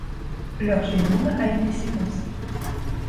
Leur génome a été séquencé.